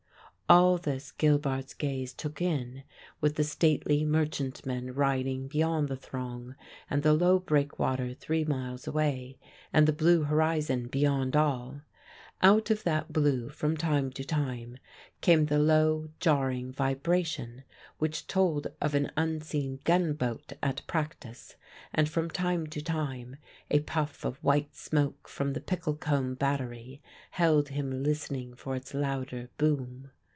All this Gilbart's gaze took in; with the stately merchantmen riding beyond the throng, and the low breakwater three miles away, and the blue horizon beyond all. Out of that blue from time to time came the low, jarring vibration which told of an unseen gunboat at practice; and from time to time a puff of white smoke from the Picklecombe battery held him listening for its louder boom.